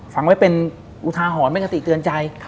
ฟังไว้เป็นอุทาหอนไม่กระติเตือนใจ